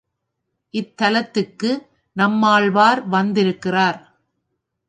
இத்தலத்துக்கு நம்மாழ்வார் வந்திருக்கிறார்.